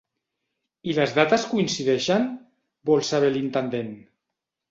I les dates coincideixen? —vol saber l'intendent.